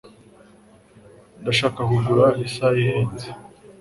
Ndashaka kugura isaha ihenze.